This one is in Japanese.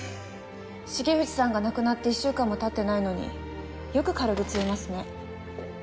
重藤さんが亡くなって１週間も経ってないのによく軽口言えますね。